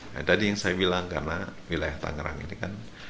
nah tadi yang saya bilang karena wilayah tangerang ini kan